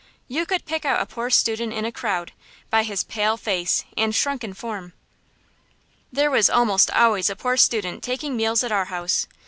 You could pick out a poor student in a crowd, by his pale face and shrunken form. There was almost always a poor student taking meals at our house.